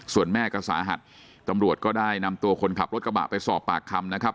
ส่วนแม่ก็สาหัสตำรวจก็ได้นำตัวคนขับรถกระบะไปสอบปากคำนะครับ